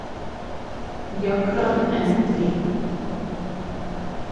Gyakran Mt.